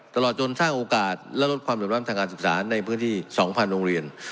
ตลอดจนสร้างโอกาสและลดความเหลื่อมล้ำทางการศึกษาในพื้นที่๒๐๐โรงเรียน